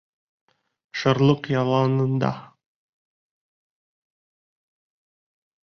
Шырлыҡ яланында.